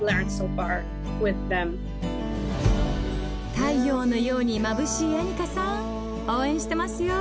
太陽のようにまぶしいアニカさん応援してますよ！